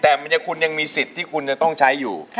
แต่คุณยังมีสิทธิ์ที่คุณจะต้องใช้อยู่